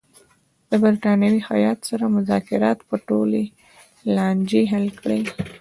د برټانوي هیات سره مذاکرات به ټولې لانجې حل کړي.